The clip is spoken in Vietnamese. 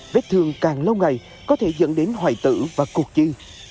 vết thương càng lâu ngày có thể dẫn đến hoại tử và cuộc chi